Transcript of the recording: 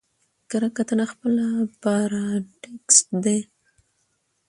کره کتنه خپله پاراټيکسټ دئ.